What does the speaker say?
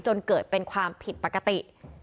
จนเกิดเป็นความผิดปกติ